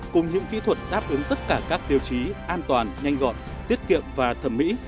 cùng những kỹ thuật đáp ứng tất cả các tiêu chí an toàn nhanh gọn tiết kiệm và thẩm mỹ